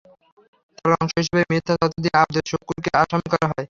তার অংশ হিসেবেই মিথ্যা তথ্য দিয়ে আবদুস শুক্কুরকে আসামি করা হয়।